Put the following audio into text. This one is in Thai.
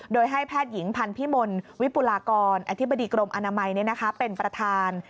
โดยให้แพทย์หญิงพันธ์พิมลวิปุลากรอธิบดีกรมอนามัยเป็นประธาน